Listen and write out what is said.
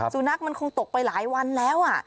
สุนัขมันคงตกไปหลายวันแล้ว